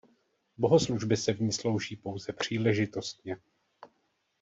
Bohoslužby se v ní slouží pouze příležitostně.